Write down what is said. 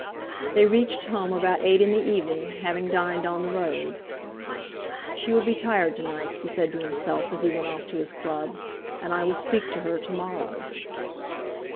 They reached home about eight in the evening, having dined on the road. "She will be tired to night," he said to himself, as he went off to his club, "and I will speak to her to morrow."